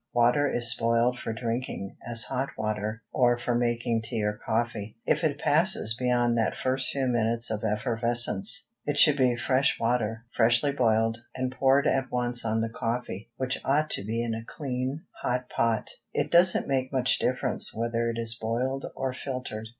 Water is spoiled for drinking, as hot water, or for making tea or coffee, if it passes beyond that first few minutes of effervescence. It should be fresh water, freshly boiled, and poured at once on the coffee, which ought to be in a clean, hot pot. It doesn't make much difference whether it is boiled or filtered.